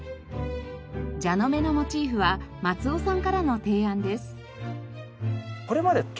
蛇ノ目のモチーフは松尾さんからの提案です。